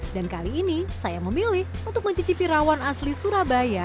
dan kali ini saya memilih untuk mencicipi rawon asli surabaya